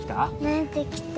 なれてきた。